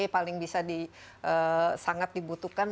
paling bisa sangat dibutuhkan